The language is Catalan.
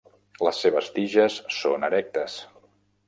Les seves tiges són erectes.